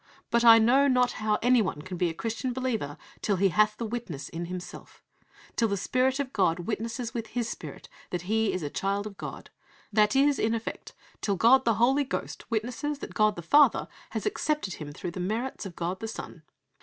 "' But I know not how anyone can be a Christian believer till he 'hath the witness in himself,' till 'the Spirit of God witnesses with his spirit that he is a child of God'; that is, in effect, till God the Holy Ghost witnesses that God the Father has accepted him through the merits of God the Son.